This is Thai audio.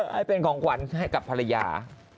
ให้เป็นของขวัญให้กับภรรยา